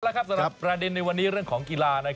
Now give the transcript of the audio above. สำหรับประเด็นในวันนี้เรื่องของกีฬา